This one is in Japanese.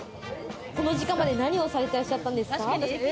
この時間まで何をされてらっしゃったんですか？